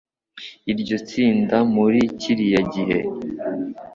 iryo tsinda muri kiriya gihe